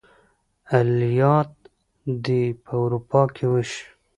عملیات دې په اروپا کې وشي.